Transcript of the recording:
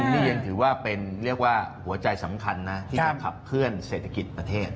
นี่ยังถือเป็นหัวใจสำคัญที่จะขับเคลื่อนเศรษฐกิจประเทศ